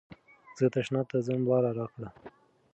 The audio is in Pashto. زه تشناب ته ځم لاره راکړه.